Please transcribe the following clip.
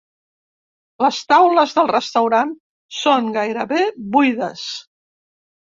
Les taules del restaurant són gairebé buides.